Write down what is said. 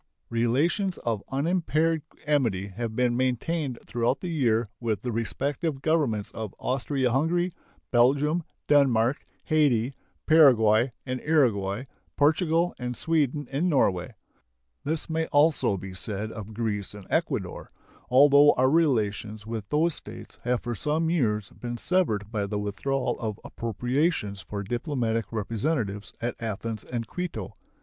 Relations of unimpaired amity have been maintained throughout the year with the respective Governments of Austria Hungary, Belgium, Denmark, Hayti, Paraguay and Uruguay, Portugal, and Sweden and Norway. This may also be said of Greece and Ecuador, although our relations with those States have for some years been severed by the withdrawal of appropriations for diplomatic representatives at Athens and Quito.